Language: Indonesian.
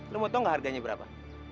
lo mau tau gak harganya berapa